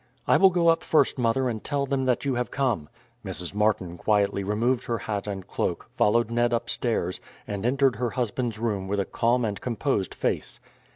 "I will go up first, mother, and tell them that you have come." Mrs. Martin quietly removed her hat and cloak, followed Ned upstairs, and entered her husband's room with a calm and composed face.